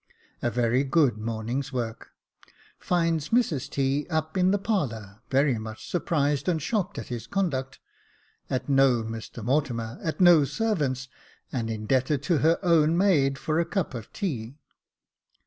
A very good morning's work. Finds Mrs T. up in the parlour, very much surprised and shocked at his conduct — at no Mr Mortimer — at no servants, and indebted to her own maid for a cup of tea.